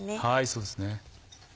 そうですね。